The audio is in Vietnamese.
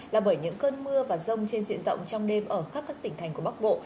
là bởi những cơn mưa và rông trên diện rộng trong đêm ở khắp các tỉnh thành của bắc bộ